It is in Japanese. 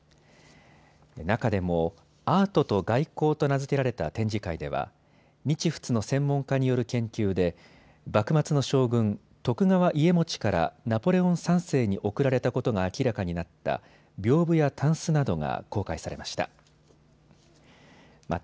中でもアートと外交と名付けられた展示会では日仏の専門家による研究で幕末の将軍、徳川家茂からナポレオン３世に贈られたことが明らかになったびょうぶやたんすなどが公開されました。